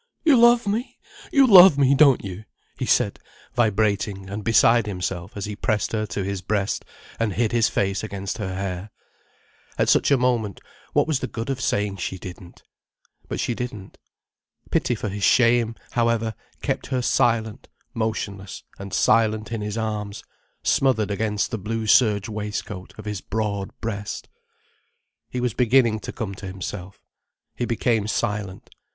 "You love me! You love me, don't you?" he said, vibrating and beside himself as he pressed her to his breast and hid his face against her hair. At such a moment, what was the good of saying she didn't? But she didn't. Pity for his shame, however, kept her silent, motionless and silent in his arms, smothered against the blue serge waistcoat of his broad breast. He was beginning to come to himself. He became silent.